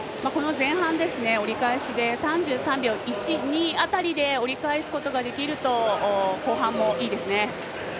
前半、折り返しで３３秒１、３３秒２辺りで折り返すことができると後半もいいですね。